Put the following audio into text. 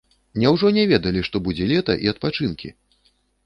Няўжо не ведалі, што будзе лета і адпачынкі?